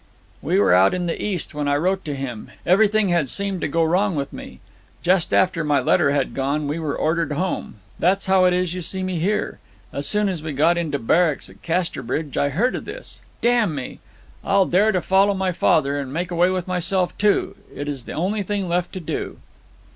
'We were out in the East when I wrote to him. Everything had seemed to go wrong with me. Just after my letter had gone we were ordered home. That's how it is you see me here. As soon as we got into barracks at Casterbridge I heard o' this ... Damn me! I'll dare to follow my father, and make away with myself, too. It is the only thing left to do!'